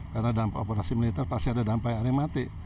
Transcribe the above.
karena dalam operasi militer pasti ada dampai yang mati